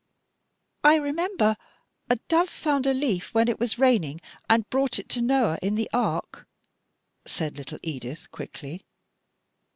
"I remember: a dove found a leaf when it was raining and brought it to Noah in the ark," said little Edith, quickly.